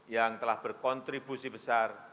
yang telah berkontribusi besar